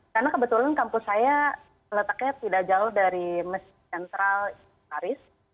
karena kebetulan kampus saya letaknya tidak jauh dari meskentral paris